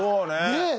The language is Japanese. ねえ。